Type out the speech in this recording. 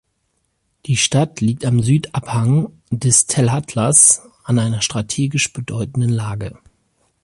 Die Stadt liegt am Südabhang des Tellatlas an einer strategisch bedeutenden Lage.